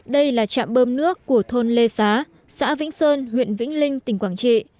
đây là trạm bơm nước của thôn lê xá xã vĩnh sơn huyện vĩnh linh tỉnh quảng trị